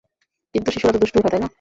কিন্তু শিশুরা তো দুষ্টুই হয়, তাই না?